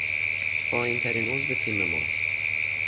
پایینترین عضو تیم ما